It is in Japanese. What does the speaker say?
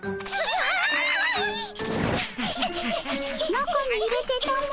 中に入れてたも。